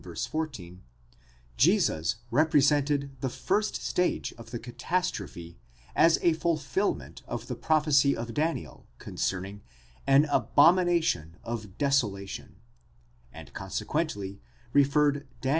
14), Jesus represented the first stage of the catastrophe as a fulfilment of the prophecy of Daniel concerning an abomination of desolation, and consequently referred Dan.